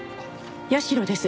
社です。